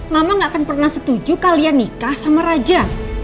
mama gak akan pernah setuju kalian nikah sama raja